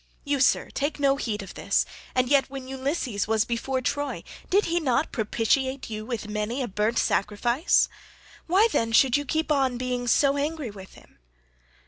You, sir, take no heed of this, and yet when Ulysses was before Troy did he not propitiate you with many a burnt sacrifice? Why then should you keep on being so angry with him?"